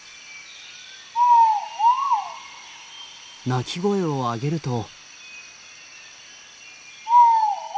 鳴き声を上げると。